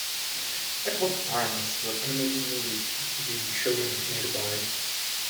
At what times will animated movies be showing nearby?